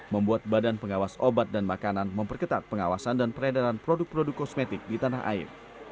membuat badan pengawas obat dan makanan memperketat pengawasan dan peredaran produk produk kosmetik di tanah air